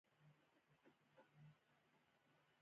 ما وويل کم عقله خو تاسې ياست.